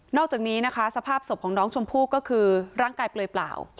อกจากนี้นะคะสภาพศพของน้องชมพู่ก็คือร่างกายเปลยเปล่า